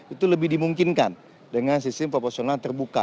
itu lebih dimungkinkan dengan sistem proporsional terbuka